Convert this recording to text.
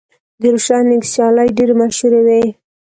د روشن لیګ سیالۍ ډېرې مشهورې وې.